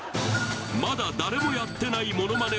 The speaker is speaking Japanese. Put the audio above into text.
“まだ誰もやってない”モノマネ